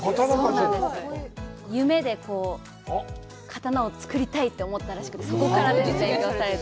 夢で刀をつくりたいと思ったらしくて、そこから修業されて。